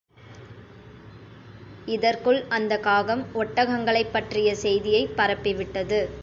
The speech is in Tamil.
இதற்குள் அந்தக் காகம் ஒட்டகங்களைப் பற்றிய செய்தியைப் பரப்பி விட்டது.